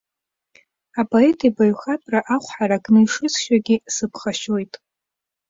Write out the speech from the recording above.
Апоет ибаҩхатәра ахә ҳаракны ишысшьогьы сыԥхашьоит.